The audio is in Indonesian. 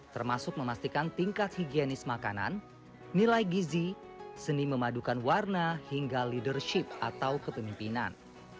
termasuk memastikan tingkat higienis makanan nilai gizi seni memadukan warna hingga leadership atau kepemimpinan